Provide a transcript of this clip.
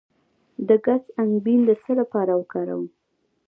د ګز انګبین د څه لپاره وکاروم؟